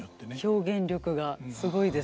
表現力がすごいですね。